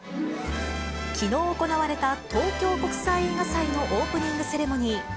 きのう行われた東京国際映画祭のオープニングセレモニー。